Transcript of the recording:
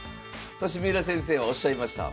そして三浦先生はおっしゃいました。